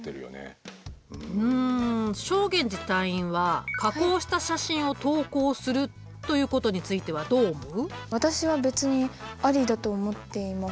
うん正源司隊員は加工した写真を投稿するということについてはどう思う？